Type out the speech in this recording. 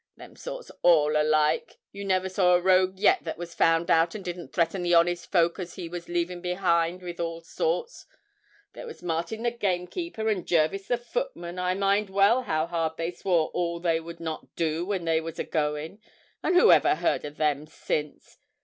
Them sort's all alike you never saw a rogue yet that was found out and didn't threaten the honest folk as he was leaving behind with all sorts; there was Martin the gamekeeper, and Jervis the footman, I mind well how hard they swore all they would not do when they was a going, and who ever heard of them since?